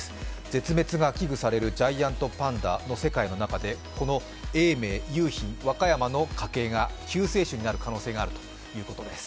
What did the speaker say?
絶滅が危惧されるジャイアントパンダの世界でこの永明、雄浜、和歌山の家計が急傾斜になる可能性があるということです。